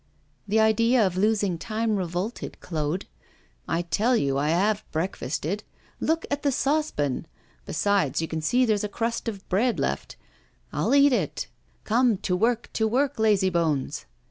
The idea of losing time revolted Claude. 'I tell you I have breakfasted. Look at the saucepan. Besides, you can see there's a crust of bread left. I'll eat it. Come, to work, to work, lazy bones.